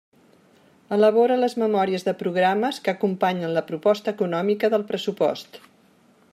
Elabora les memòries de programes que acompanyen la proposta econòmica del pressupost.